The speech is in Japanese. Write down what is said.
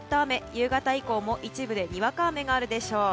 夕方以降も一部でにわか雨があるでしょう。